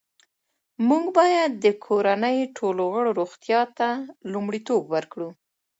موږ باید د کورنۍ ټولو غړو روغتیا ته لومړیتوب ورکړو